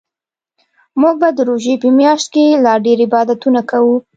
موږ به د روژې په میاشت کې لا ډیرعبادتونه کوو